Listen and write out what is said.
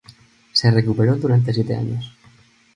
Se recuperó durante siete años.